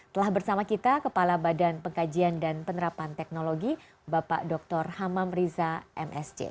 telah bersama kita kepala badan pengkajian dan penerapan teknologi bapak dr hamam riza msc